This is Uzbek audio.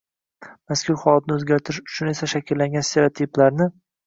Mazkur holatni o‘zgartirish uchun esa shakllangan stereotiplarni